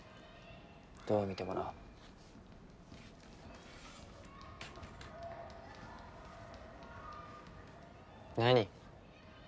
どう見てもな何？